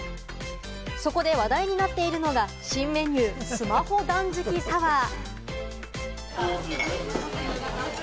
そこで話題になっているのが新メニュー、スマホ断食サワー。